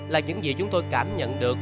là những gì chúng tôi cảm nhận được